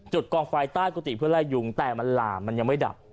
กองไฟใต้กุฏิเพื่อไล่ยุงแต่มันหลามมันยังไม่ดับ